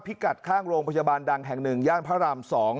กัดข้างโรงพยาบาลดังแห่ง๑ย่านพระราม๒